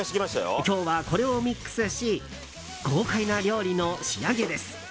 今日は、これをミックスし豪快な料理の仕上げです。